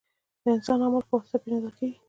• انسان د عمل په واسطه پېژندل کېږي.